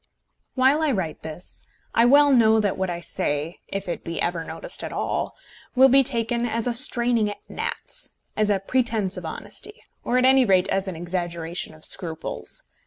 While I write this I well know that what I say, if it be ever noticed at all, will be taken as a straining at gnats, as a pretence of honesty, or at any rate as an exaggeration of scruples.